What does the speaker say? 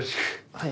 はい。